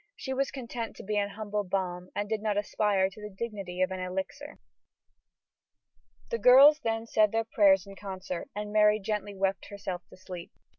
She was content to be an humble balm and did not aspire to the dignity of an elixir. The girls then said their prayers in concert and Mary gently wept herself to sleep.